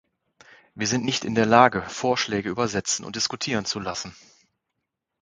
Wir sind nicht in der Lage, Vorschläge übersetzen und diskutieren zu lassen.